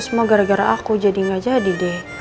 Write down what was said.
semua gara gara aku jadi gak jadi deh